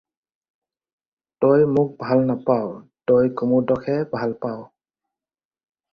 তই মোক ভাল নাপাৱ, তই কমুদকহে ভাল পাৱ।